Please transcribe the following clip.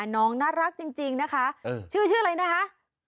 น้องน่ารักจริงนะคะชื่ออะไรนะคะ